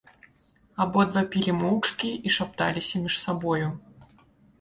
Абодва пілі моўчкі і шапталіся між сабою.